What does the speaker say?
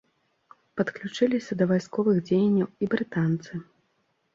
Падключыліся да вайсковых дзеянняў і брытанцы.